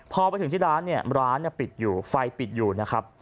พอไปถึงที่ร้านเนี่ยร้านปิดอยู่ไฟปิดอยู่นะครับ